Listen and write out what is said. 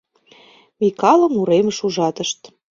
Микалым уремыш ужатышт.